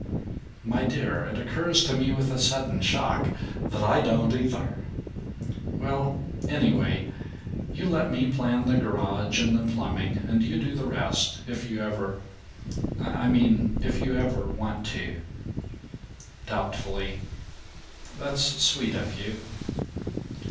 "My dear, it occurs to me with a sudden shock that I don't either!" "Well anyway you let me plan the garage and the plumbing, and you do the rest, if you ever I mean if you ever want to." Doubtfully, "That's sweet of you."